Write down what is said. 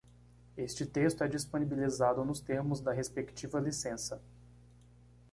Este texto é disponibilizado nos termos da respectiva licença.